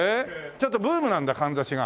ちょっとブームなんだかんざしが。